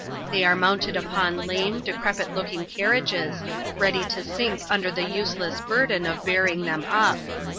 They are mounted upon lame, decrepit louking carriages, ready to sink under tlie useless burden of bearing . tkem up.